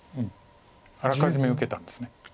あらかじめ受けたんです。